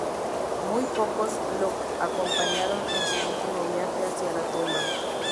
Muy pocos lo acompañaron en su último viaje hacia la tumba.